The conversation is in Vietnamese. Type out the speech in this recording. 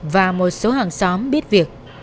và một số hàng xóm biết việc